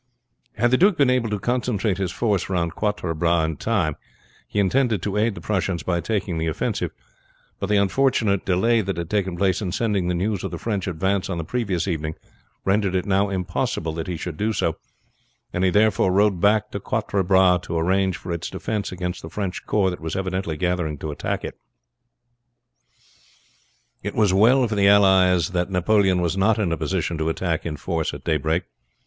Had the duke been able to concentrate his force round Quatre Bras in time, he intended to aid the Prussians by taking the offensive; but the unfortunate delay that had taken place in sending the news of the French advance on the previous morning rendered it now impossible that he should do so, and he therefore rode back to Quatre Bras to arrange for its defence against the French corps that was evidently gathering to attack it. It was well for the allies that Napoleon was not in a position to attack in force at daybreak.